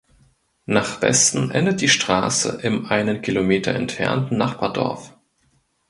Nach Westen endet die Straße im einen Kilometer entfernten Nachbardorf.